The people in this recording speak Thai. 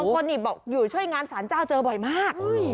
คนนี้บอกอยู่ช่วยงานสารเจ้าเจอบ่อยมาก